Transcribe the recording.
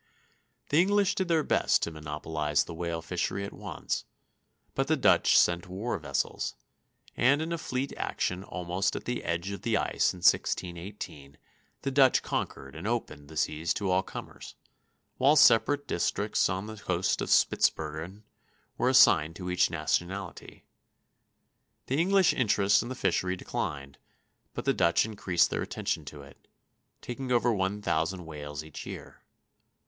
The English did their best to monopolize the whale fishery at once, but the Dutch sent war vessels, and in a fleet action almost at the edge of the ice in 1618 the Dutch conquered and opened the seas to all comers, while separate districts on the coast of Spitzbergen were assigned to each nationality. The English interest in the fishery declined, but the Dutch increased their attention to it, taking over one thousand whales each year.